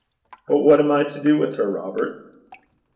'But what am I to do with her, Robert?'